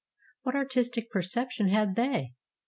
What artistic perception had they?